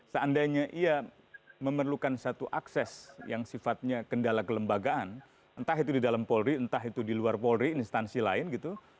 seandainya ia memerlukan satu akses yang sifatnya kendala kelembagaan entah itu di dalam polri entah itu di luar polri instansi lain gitu